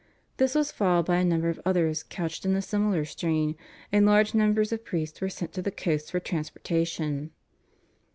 This was followed by a number of others couched in a similar strain, and large numbers of priests were sent to the coast for transportation.